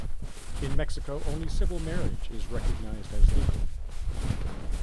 In Mexico, only civil marriage is recognized as legal.